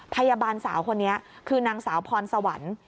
พยาบาลสาวคนนี้คือนางสาวพรสวรรค์